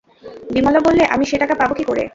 বিমলা বললে, আমি সে টাকা পাব কী করে?